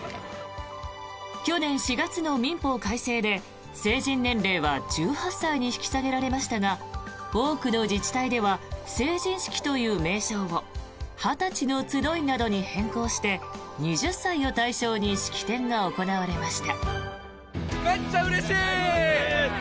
去年４月の民法改正で成人年齢は１８歳に引き下げられましたが多くの自治体では成人式という名称を２０歳の集いなどに変更して２０歳を対象に式典が行われました。